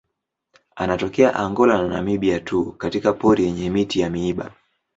Anatokea Angola na Namibia tu katika pori yenye miti ya miiba.